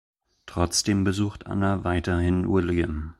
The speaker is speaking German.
Trotzdem besucht Anna weiterhin William.